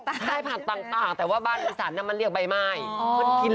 ค่ายผักต่างแต่ว่าบ้านอีสานมันเรียกใบไม้